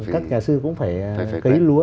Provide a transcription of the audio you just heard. các nhà sư cũng phải cấy lúa